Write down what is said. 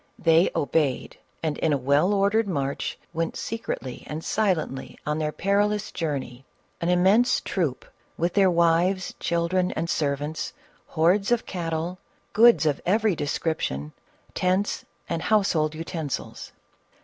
They obeyed, and in a well ordered march went secretly and silently on their peril ous journey, — an immense troop, with their wives, children and servants, hordes of cattle, goods of every description, tents, and household utensils.